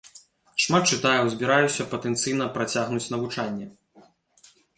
Шмат чытаю, збіраюся патэнцыйна працягнуць навучанне.